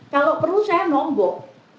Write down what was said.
kalau perlu saya nombor